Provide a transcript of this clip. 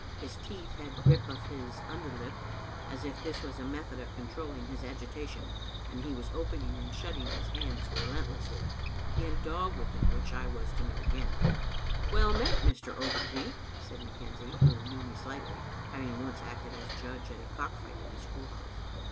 His teeth had grip of his under lip, as if this was a method of controlling his agitation, and he was opening and shutting his Digitized by VjOOQ IC IDadoudJBoMes Convergittd* del hands restlessly. He had a dog with him which I was to meet again. "Well met, Mr. Ogilvy," said McKenzie, who knew me slightly, having once acted as judge at a cock fight in the school house.